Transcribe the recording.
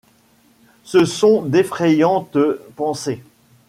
Ce sont d'effrayantes pensées